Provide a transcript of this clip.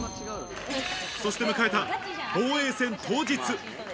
そして迎えた防衛戦当日。